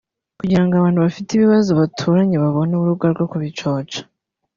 kugira ngo abantu bafite ibibazo baturanye babone urubuga rwo kubicoca